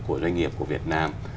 của doanh nghiệp của việt nam